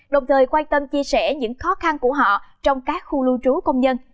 đồng thời quan tâm chia sẻ những khó khăn của họ trong các khu lưu trú công nhân